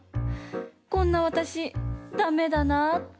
こんなわたしだめだなって。